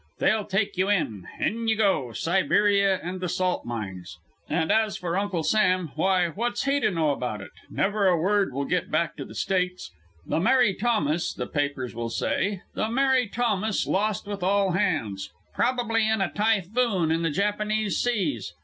They'll take you. In you go, Siberia and the salt mines. And as for Uncle Sam, why, what's he to know about it? Never a word will get back to the States. 'The Mary Thomas,' the papers will say, 'the Mary Thomas lost with all hands. Probably in a typhoon in the Japanese seas.'